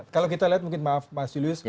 kalau kita lihat